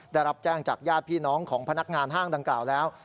ได้รับแจ้งจากญาติพี่น้องของพนักงานห้างดังกล่าวแล้ว